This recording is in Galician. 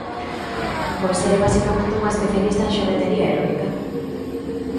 Pois é, basicamente, unha especialista en xoguetería erótica.